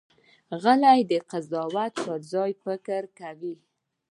غلی، د قضاوت پر ځای فکر کوي.